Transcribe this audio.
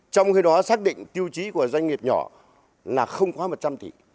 trong khi đó xác định tiêu chí của doanh nghiệp nhỏ là không quá một trăm linh tỷ